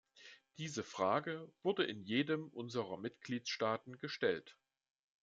Diese Frage wurde in jedem unserer Mitgliedstaaten gestellt.